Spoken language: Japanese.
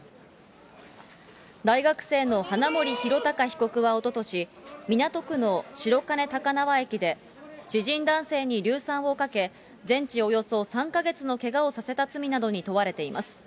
大学生の花森弘卓被告はおととし、港区の白金高輪駅で、知人男性に硫酸をかけ、全治およそ３か月のけがをさせた罪などに問われています。